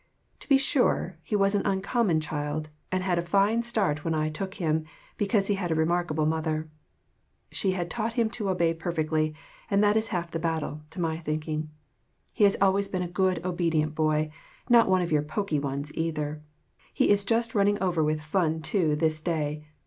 To be sure, he was an uncommon child, and had a fine start when I took him, because he had a remarkable mother. , She had taught him to obey perfectly, and that is half the battle, to my thinking. He has always been a good, obedient boy not one of your poky ones, either. He is just running over with fun to this day.